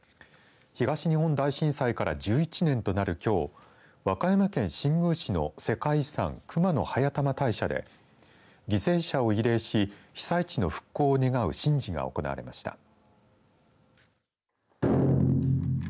東日本大震災から１１年となる、きょう和歌山県新宮市の世界遺産熊野速玉大社で犠牲者を慰霊し被災地の復興を願う神事が行われました。